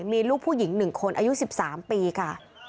มีลูกผู้หญิง๑คนอายุ๑๓ปีค่ะ